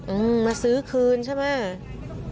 อืมมาซื้อคืนใช่ไหม